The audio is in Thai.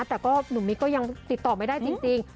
แต่ก็หนุ่มมิ๊กก็ยังติดต่อไม่ได้จริง